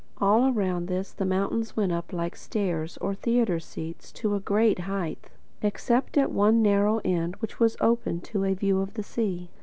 All around this the mountains went up like stairs, or theatre seats, to a great height—except at one narrow end which was open to a view of the sea.